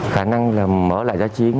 khả năng là mở lại giải chiến